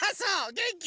げんき？